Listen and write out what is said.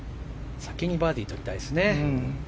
先にバーディーをとりたいですね。